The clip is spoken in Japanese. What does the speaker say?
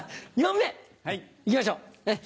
２問目行きましょう。